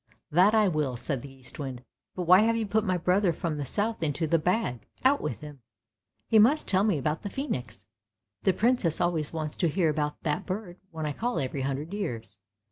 " That I will," said the Eastwind. " But why have you put my brother from the south into the bag? Out with him! He must tell me about the phoenix; the Princess always wants to hear about that bird when I call every hundred years.